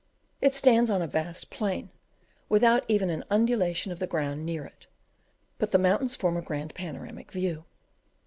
It stands on a vast plain, without even an undulation of the ground near it; but the mountains form a grand panoramic view.